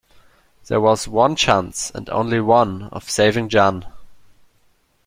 There was one chance, and only one, of saving Jeanne.